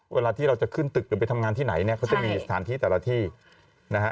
เวลาที่เราจะขึ้นตึกหรือไปทำงานที่ไหนเนี่ยเขาจะมีสถานที่แต่ละที่นะฮะ